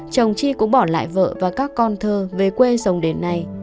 chồng chi cũng bỏ lại vợ và các con thơ về quê dòng đến nay